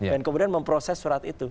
dan kemudian memproses surat itu